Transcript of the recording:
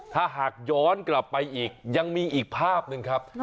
ถ้าหากย้อนกลับไปอีกยังมีอีกภาพหนึ่งครับ